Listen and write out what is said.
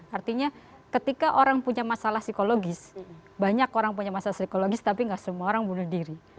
artinya ketika orang punya masalah psikologis banyak orang punya masalah psikologis tapi gak semua orang bunuh diri